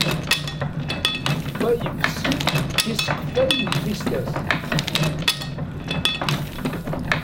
Yuba yefsi tiseqfal n lfista-s.